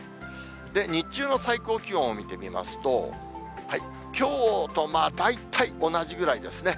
日中の最高気温を見てみますと、きょうと大体同じぐらいですね。